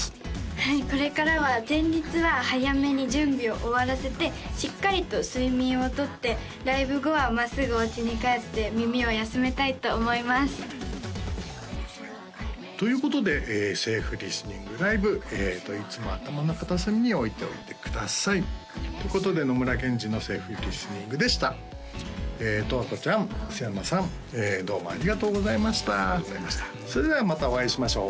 はいこれからは前日は早めに準備を終わらせてしっかりと睡眠をとってライブ後は真っすぐおうちに帰って耳を休めたいと思いますということで「ＳＡＦＥＬＩＳＴＥＮＩＮＧＬｉｖｅ！」いつも頭の片隅に置いておいてくださいってことで野村ケンジのセーフリスニングでしたとわこちゃん須山さんどうもありがとうございましたありがとうございましたそれではまたお会いしましょう